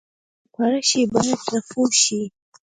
بوټونه که پاره شي، باید رفو شي.